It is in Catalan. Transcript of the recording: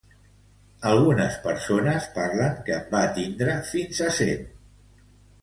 Algunes persones parlen que en va tindre fins a cent.